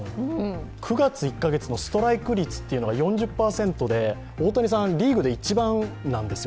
９月、１カ月のストライク率が４０％で、大谷さんリーグで一番なんですよ